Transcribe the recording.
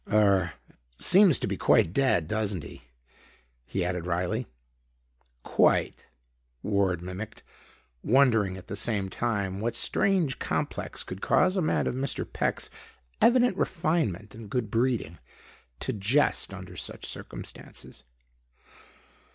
Er seems to be quite dead, doesn't he?" he added wryly. "Quite," Ward mimicked, wondering at the same time what strange complex could cause a man of Mr. Peck's evident refinement and good breeding to jest under such circumstances.